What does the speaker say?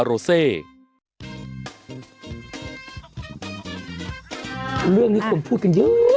เรื่องนี้คนพูดกันเยอะ